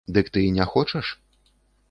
Дык ты не хочаш?